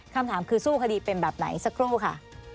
คำถามคือสู้คดีเป็นแบบไหนสักครู่ค่ะ